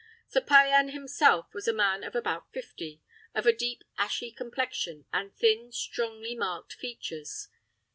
Sir Payan himself was a man of about fifty, of a deep ashy complexion, and thin, strongly marked features.